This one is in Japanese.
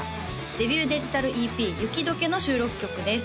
デビューデジタルＥＰ「ユキドケ」の収録曲です